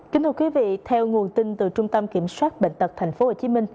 kính thưa quý vị theo nguồn tin từ trung tâm kiểm soát bệnh tật tp hcm